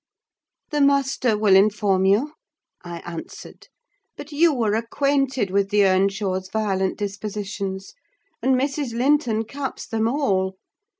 "The master will inform you," I answered; "but you are acquainted with the Earnshaws' violent dispositions, and Mrs. Linton caps them all.